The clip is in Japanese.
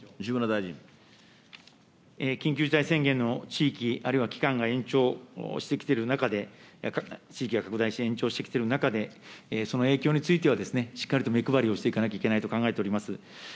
緊急事態宣言の地域、あるいは期間が延長してきている中で、地域が拡大し延長してきている中で、その影響については、しっかりと目配りをしていかないといけないと考えております。